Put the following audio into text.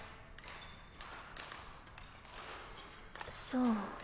そう。